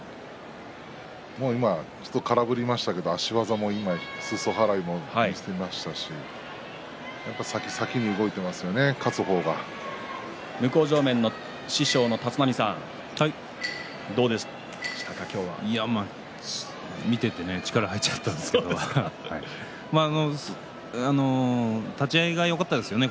今、ちょっと空振りましたけど足技もすそ払いも見せましたし先に先に向正面の師匠の立浪さん見ていて力が入っちゃったんですけど立ち合いがよかったですよね。